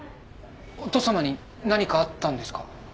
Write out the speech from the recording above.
お父さまに何かあったんですか？